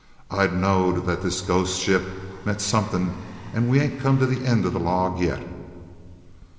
"I knowed that this ghost ship meant sumkin' and we ain't come to the end o' the log yet!"